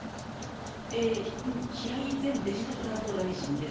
平井前デジタル担当大臣です。